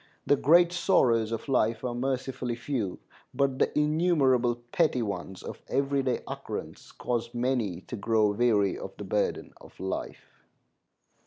The great sorrows of life are mercifully few, but the innumerable petty ones of every day occurrence cause many to grow weary of the burden of life.